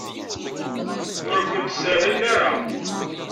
Ur ken-serrin ara.